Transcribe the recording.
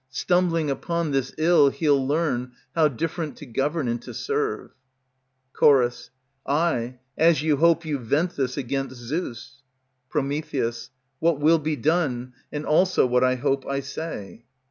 Stumbling upon this ill he'll learn How different to govern and to serve. Ch. Ay, as you hope you vent this against Zeus. Pr. What will be done, and also what I hope, I say.